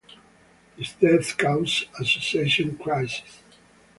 His death caused a succession crisis.